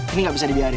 ini gak bisa dibiarin